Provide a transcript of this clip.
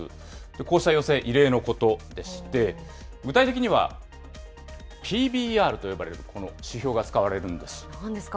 こうした要請、異例のことでして、具体的にはＰＢＲと呼ばれるこの指標が使われるんです。